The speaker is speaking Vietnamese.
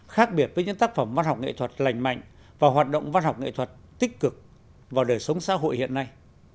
khác biệt với những tác phẩm văn học nghệ thuật lành mạnh và hoạt động văn học nghệ thuật tích cực vào đời sống xã hội hiện nay